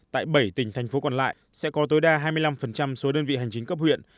tại bảy tỉnh thành phố còn lại sẽ có tối đa hai mươi năm số đơn vị hành chính cấp huyện